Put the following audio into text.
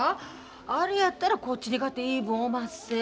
あれやったらこっちにかて言い分おまっせ。